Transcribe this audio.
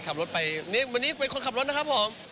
ขับรถไปนี่วันนี้เป็นคนขับรถนะครับผม